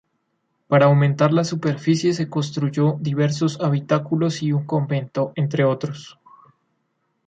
Para aumentar la superficie se construyó diversos habitáculos y un convento, entre otros.